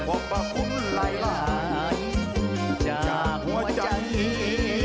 ขอบคุณหลายหลายจากหัวใจนี้